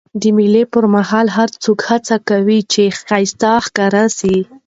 د مېلو پر مهال هر څوک هڅه کوي، چي ښایسته ښکاره سي.